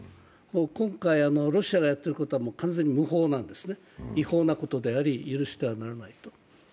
今回、ロシアがやっていることは完全に無法なんですね、違法なことであり、許してはならない。